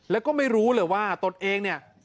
แล้วก็ไม่รู้เลยว่าตนเองเนี่ย